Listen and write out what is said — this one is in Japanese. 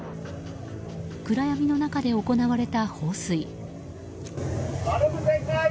暗闇の中で行われた放水。